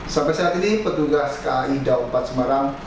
sampai saat ini petugas kai dau empat semarang